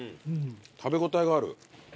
食べ応えがある。